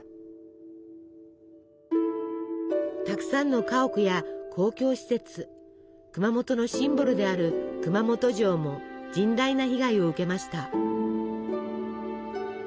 たくさんの家屋や公共施設熊本のシンボルである熊本城も甚大な被害を受けました。